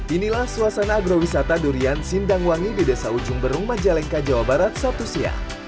inilah suasana agrowisata durian sindangwangi di desa ujung berung majalengka jawa barat sabtu siang